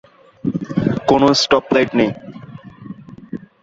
কোন stop light নেই।